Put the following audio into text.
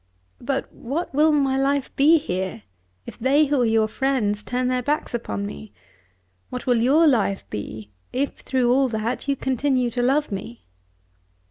But what will my life be here, if they who are your friends turn their backs upon me? What will your life be, if, through all that, you continue to love me?"